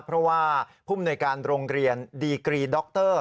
เพราะว่าผู้มนวยการโรงเรียนดีกรีดร